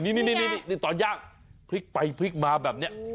นี่ตอนย่างพลิกไปพลิกมาแบบนี้